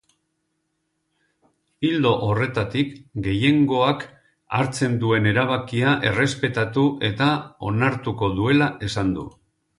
Ildo horretatik, gehiengoak hartzen duen erabakia errespetatu eta onartuko duela esan du.